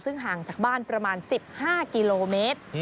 ซึ่งห่างจากบ้านประมาณ๑๕กิโลเมตร